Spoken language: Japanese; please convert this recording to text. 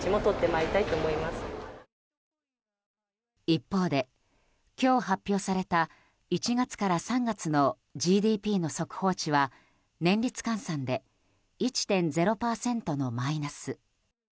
一方で今日発表された１月から３月のＧＤＰの速報値は年率換算で１．０％のマイナス。